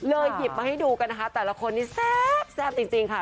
เลยหยิบมาให้ดูกันนะคะเราคนที่ซ้ำจริงค่ะ